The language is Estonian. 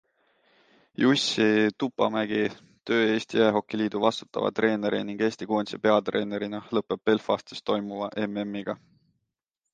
Jussi Tupamäki töö Eesti Jäähokiliidu vastutava treeneri ning Eesti koondise peatreenerina lõppeb Belfastis toimuva MMiga.